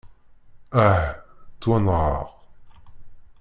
Ah! Ttwanɣeɣ!